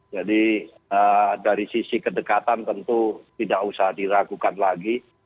jadi dari sisi kedekatan tentu tidak usah diragukan lagi